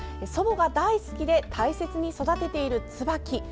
祖母が大好きで大切に育てているつばき。